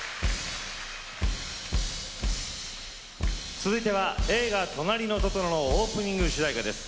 続いては映画「となりのトトロ」のオープニング主題歌です。